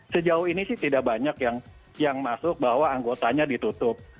sejauh ini sih tidak banyak yang masuk bahwa anggotanya ditutup